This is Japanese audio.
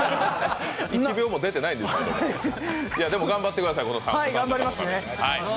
１秒も出てないですけど、頑張ってくださいね。